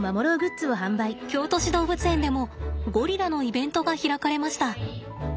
京都市動物園でもゴリラのイベントが開かれました。